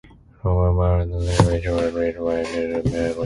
Lowe, while the second edition was released by Milton Bradley.